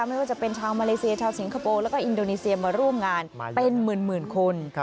ไม่ว่าจะเป็นชาวมาเลเซียชาวสิงคโปร์แล้วก็อินโดนีเซียมาร่วมงานเป็นหมื่นคน